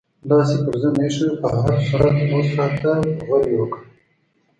لاس یې پر زنګون ایښی و، په هر صورت اوس راته غورې وکړه.